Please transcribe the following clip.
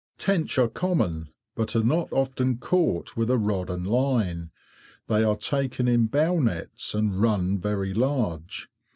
Tench are common, but are not often caught with a rod and line. They are taken in bow nets, and run very large.